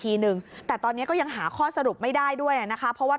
ทีนึงแต่ตอนนี้ก็ยังหาข้อสรุปไม่ได้ด้วยนะคะเพราะว่า